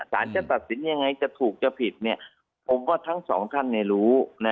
สารจะตัดสินยังไงจะถูกจะผิดผมว่าทั้งสองท่านรู้